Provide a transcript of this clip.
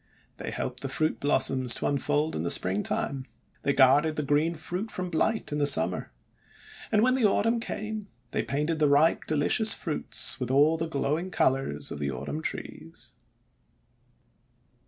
They helped the fruit blossoms to unfold in the Springtime. They guarded the green fruit from blight in the Summer. And when the Autumn came, they painted the ripe, delicious fruits with all the glowing colours of the Autumn trees.